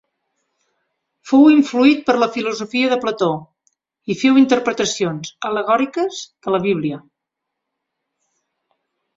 Fou influït per la filosofia de Plató i féu interpretacions al·legòriques de la Bíblia.